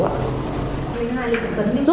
giấy tạm trú ạ